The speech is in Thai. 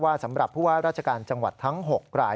สำหรับผู้ว่าราชการจังหวัดทั้ง๖ราย